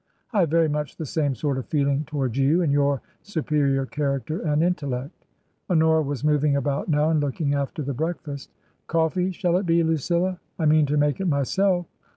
I have very much the same sort of feeling to wards you and your superior character and intellect." Honora was moving about now and looking after the breakfast. " Coffee shall it be, Lucilla ? I mean to make it my self.